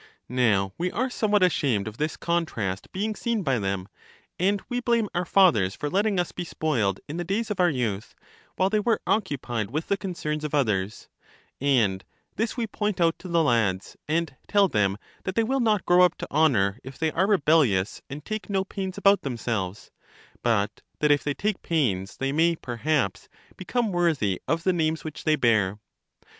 Now we are somewhat ashamed of this con trast being seen by them, and we blame our fathers for letting us be spoiled in the days of our youth, while they were occupied with the concerns of others ; and this we point out to the lads, and tell them that they will not grow up to honor if they are rebellious and take no pains about themselves; but that if they take pains they may, perhaps, become worthy of the names which they bear.